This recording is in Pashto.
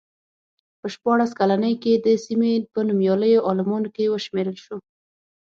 په شپاړس کلنۍ کې د سیمې په نومیالیو عالمانو کې وشمېرل شو.